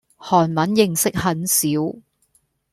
韓文認識很少